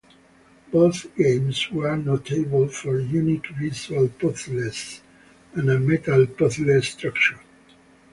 Both games were notable for unique visual puzzles and a metapuzzle structure.